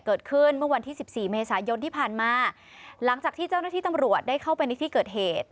เกิดขึ้นเมื่อวันที่สิบสี่เมษายนที่ผ่านมาหลังจากที่เจ้าหน้าที่ตำรวจได้เข้าไปในที่เกิดเหตุ